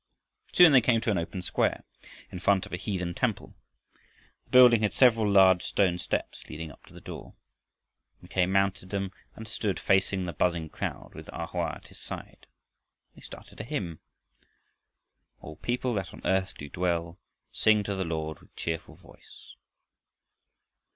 Soon they came to an open square in front of a heathen temple. The building had several large stone steps leading up to the door. Mackay mounted them and stood facing the buzzing crowd, with A Hoa at his side. They started a hymn. All people that on earth do dwell Sing to the Lord with cheerful voice.